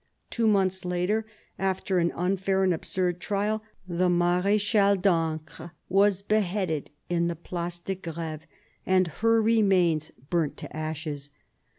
Two months later, after an unfair and absurd trial, the Mardchale d'Ancre was beheaded in the Place de Grfeve and her remains burnt to ashes.